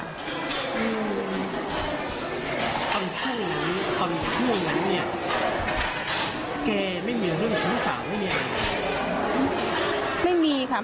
อืมความช่วยเหมือนกันเนี่ยแกไม่มีเรื่องชู้สาวไม่มีอะไร